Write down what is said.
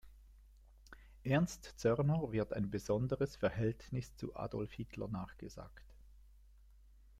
Ernst Zörner wird ein besonderes Verhältnis zu Adolf Hitler nachgesagt.